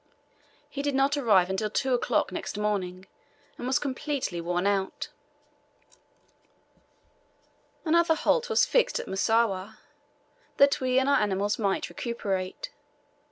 He did not arrive until two o'clock next morning, and was completely worn out. Another halt was fixed at Msuwa, that we and our animals might recuperate.